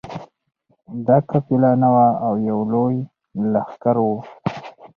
دا قافله نه وه او یو لوی لښکر وو.